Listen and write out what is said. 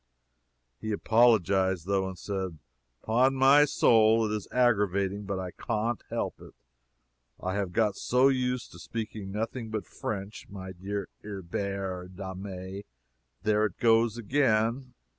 He apologized, though, and said, "'Pon my soul it is aggravating, but I cahn't help it I have got so used to speaking nothing but French, my dear Erbare damme there it goes again!